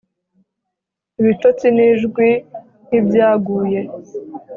Ibitotsi nijwi nki byaguye